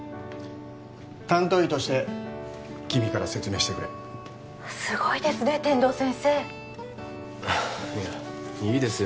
担当医として君から説明してくれすごいですね天堂先生あっいやいいですよ